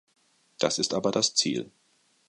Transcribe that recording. Das ist aber das Ziel.